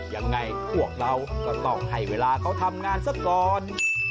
ยังไงพวกเราก็ต้องให้เวลาเขาทำงานซะก่อน